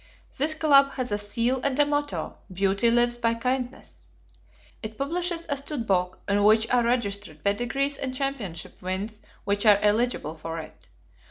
This club has a seal and a motto: "Beauty lives by kindness." It publishes a stud book in which are registered pedigrees and championship wins which are eligible for it.